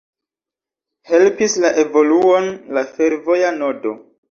Helpis la evoluon la fervoja nodo.